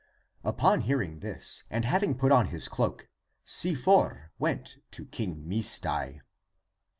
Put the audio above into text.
Upon hear ing this, and having put on his cloak, Sifor went to King Misdai.